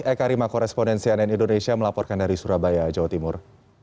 eka rima korespondensi ann indonesia melaporkan dari surabaya jawa timur